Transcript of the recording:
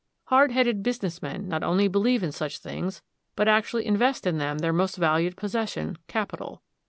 Hard headed business men not only believe in such things, but actually invest in them their most valued possession, capital.